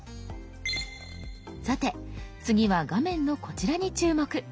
さて次は画面のこちらに注目。